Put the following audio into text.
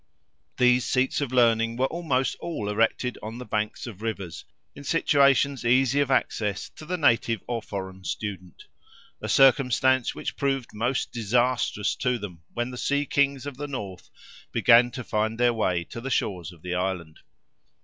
These seats of learning were almost all erected on the banks of rivers, in situations easy of access, to the native or foreign student; a circumstance which proved most disastrous to them when the sea kings of the north began to find their way to the shores of the island.